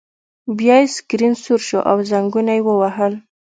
بیا یې سکرین سور شو او زنګونه یې ووهل